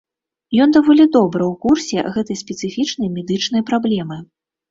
Ён даволі добра ў курсе гэтай спецыфічнай медычнай праблемы.